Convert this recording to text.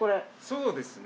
そうですね。